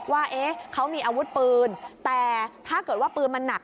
ว่าเขามีอาวุธปืนแต่ถ้าเกิดว่าปืนมันหนัก